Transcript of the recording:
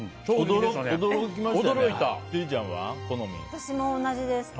私も同じです。